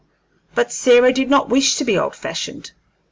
But Sarah did not wish to be old fashioned.